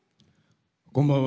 こんばんは。